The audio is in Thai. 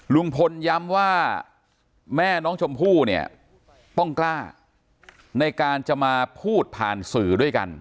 ลุงพลย้ำว่าแม่น้องชมพู่เนี่ยต้องกล้าในการจะมาพูดผ่านสื่อด้วยกัน